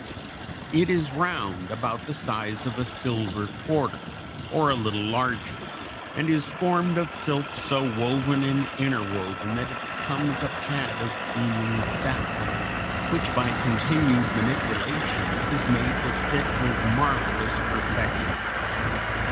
It is round, about the size of a silver quarter, or a little larger, and is formed of silk so woven and interwoven that it becomes a pad of seeming satin, which by continued manipulation is made to fit with marvelous perfection.